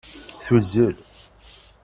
Tuzzel.